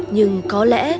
nhưng có lẽ